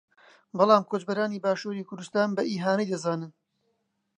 بەڵام کۆچبەرانی باشووری کوردستان بە ئیهانەی دەزانن